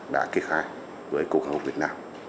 đã kê khai với cục hàng không việt nam